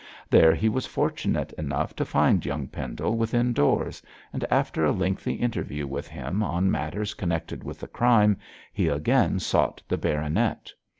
There he was fortunate enough to find young Pendle within doors, and after a lengthy interview with him on matters connected with the crime, he again sought the baronet.